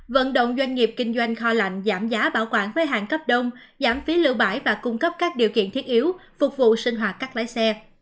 vận động doanh nghiệp kinh doanh kho lạnh giảm giá bảo quản với hàng cấp đông giảm phí lưu bãi và cung cấp các điều kiện thiết yếu phục vụ sinh hoạt các lái xe